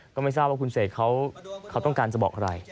ก็ไม่ทราบว่าคุณเสกเขาต้องการจะบอกอะไร